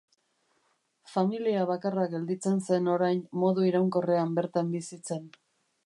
Familia bakarra gelditzen zen orain modu iraunkorrean bertan bizitzen.